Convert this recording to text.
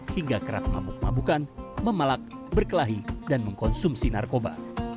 hingga kerap mabuk mabukan memalak berkelahi dan mengkonsumsi narkoba